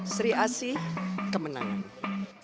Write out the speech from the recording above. sri asi kemenangan